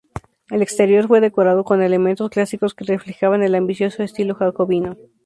El exterior fue decorado con elementos clásicos que reflejaban el ambicioso estilo jacobino.